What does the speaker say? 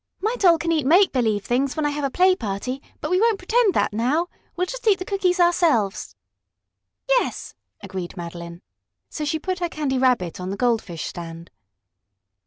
"My Doll can eat make believe things when I have a play party, but we won't pretend that now. We'll just eat the cookies ourselves." "Yes," agreed Madeline. So she put her Candy Rabbit on the goldfish stand.